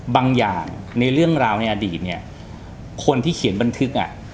บางอย่างในเรื่องราวในอดีตเนี่ยคนที่เขียนบันทึกอ่ะ